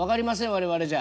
我々じゃ。